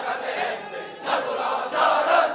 ini langkah mil